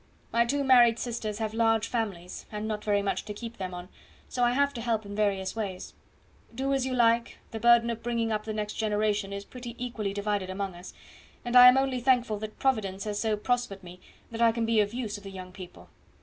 My two married sisters have large families, and not very much to keep them on, so I have to help in various ways. Do as you like, the burden of bringing up the next generation is pretty equally divided among us, and I am only thankful that Providence has so prospered me that I can be of use of the young people.